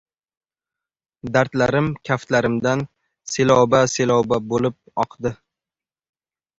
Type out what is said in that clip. Dardlarim kaftlarimdan seloba-seloba bo‘lib oqdi.